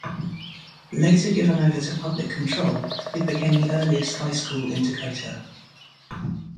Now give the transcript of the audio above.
Later given over to public control, it became the earliest high school in Dakota.